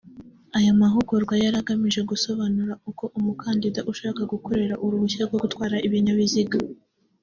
Aya mahugurwa yari agamije gusobanura uko umukandida ushaka gukorera uruhushya rwo gutwara ibinyabiziga